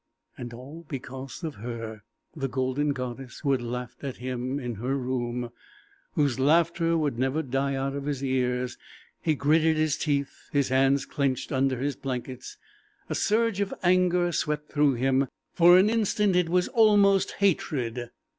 And all because of her the golden goddess who had laughed at him in her room, whose laughter would never die out of his ears. He gritted his teeth; his hands clenched under his blankets; a surge of anger swept through him for an instant it was almost hatred.